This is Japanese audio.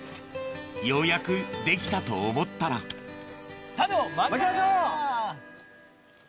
ようやくできたと思ったら種をまきましょう！